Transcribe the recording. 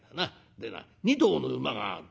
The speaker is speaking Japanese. でな２頭の馬がある。